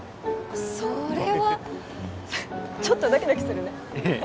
それはちょっとドキドキするねええ